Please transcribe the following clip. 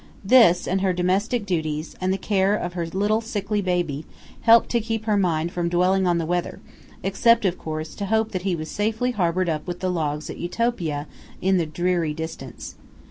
This, and her domestic duties, and the care of her little sickly baby, helped to keep her mind from dwelling on the weather, except, of course, to hope that he was safely harbored with the logs at Utopia in the dreary distance.